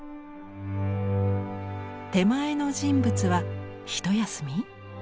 手前の人物はひと休み？